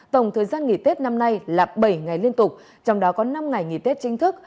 tổng thời gian nghỉ tết năm nay là bảy ngày liên tục trong đó có năm ngày nghỉ tết chính thức